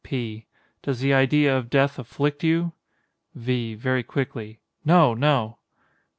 P. Does the idea of death afflict you? V. [Very quickly.] No—no!